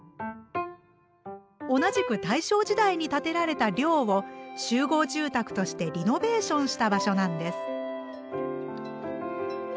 同じく大正時代に建てられた寮を集合住宅としてリノベーションした場所なんです。